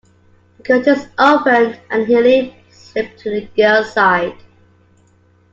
The curtains opened, and Helene slipped to the girl's side.